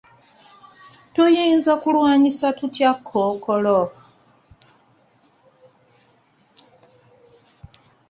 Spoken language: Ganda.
Tuyinza kulwanyisa tutya kkookolo?